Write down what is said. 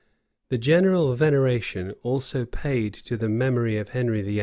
The general veneration also paid to the memory of Henry VIII.